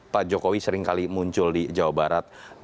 pak jokowi seringkali muncul di jawa barat